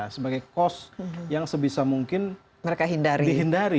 sebagai cost yang sebisa mungkin dihindari